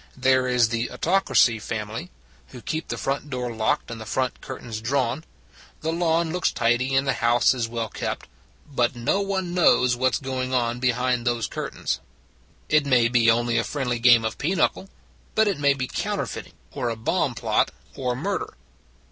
There is the Autocracy family, who keep the front gate locked and the front curtains drawn. The lawn looks tidy and the 206 Democracy Is a New Show 207 house is well kept; but no one knows what s going on behind those curtains. It may be only a friendly game of pinochle: but it may be counterfeiting, or a bomb plot, or murder.